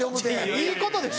・いいことでしょ！